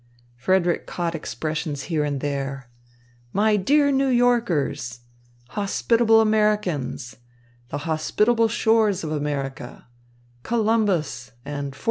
Frederick caught expressions here and there, "My dear New Yorkers," "hospitable Americans," "the hospitable shores of America," "Columbus," and "1492."